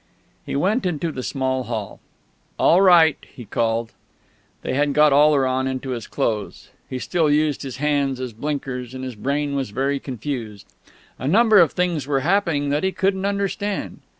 He went into the small hall. "All right!" he called. They had got Oleron into his clothes. He still used his hands as blinkers, and his brain was very confused. A number of things were happening that he couldn't understand.